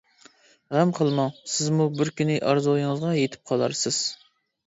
غەم قىلماڭ، سىزمۇ بىركۈنى ئارزۇيىڭىزغا يېتىپ قالارسىز.